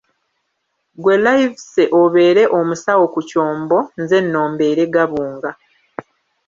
Gwe Livesey obeere omusawo ku kyombo; nze nno mbeere gabunga.